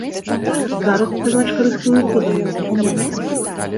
Зараз спявачка рыхтуецца да новага нумару.